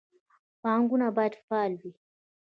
بانکونه باید فعال وي